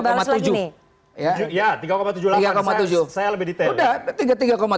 saya lebih detail